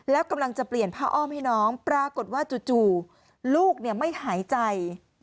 แล้วกำลังจะเปลี่ยนผ้าอ้อมให้น้องปรากฏว่าจู่ลูกไม่หายใจ